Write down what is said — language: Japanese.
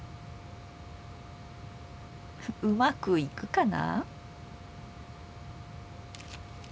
うまくいくかな。